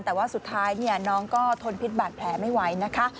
แต่ว่าสุดท้ายน้องก็ทนพิษบาดแผลไม่ไหวนะคะ